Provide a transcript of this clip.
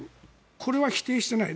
これは否定していない。